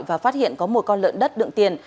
và phát hiện có một con lợn đất đựng tiền